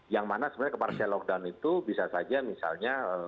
yang mana sebenarnya kepartial lockdown itu bisa saja misalnya